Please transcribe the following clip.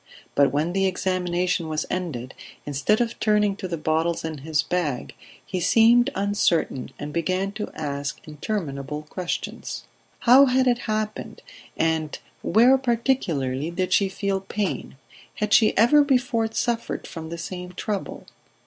But when the examination was ended, instead of turning to the bottles in his bag, he seemed uncertain and began to ask interminable questions. How had it happened, and where, particularly, did she feel pain ... Had she ever before suffered from the same trouble